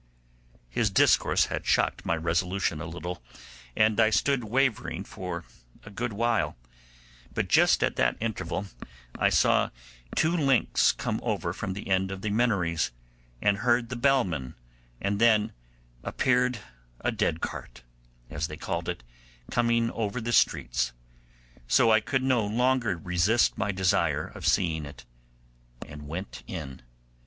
His discourse had shocked my resolution a little, and I stood wavering for a good while, but just at that interval I saw two links come over from the end of the Minories, and heard the bellman, and then appeared a dead cart, as they called it, coming over the streets; so I could no longer resist my desire of seeing it, and went in.